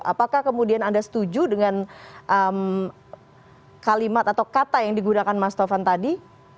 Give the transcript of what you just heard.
apakah kemudian anda setuju dengan kalimat atau kata yang digunakan mas taufan tadi